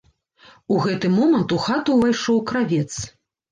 У гэты момант у хату ўвайшоў кравец.